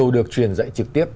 được truyền dạy trực tiếp